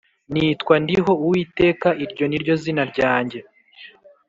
Nitwa ndiho uwiteka Iryo ni ryo zina ryanjye